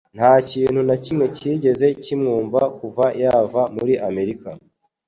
Nta kintu na kimwe cyigeze kimwumva kuva yava muri Amerika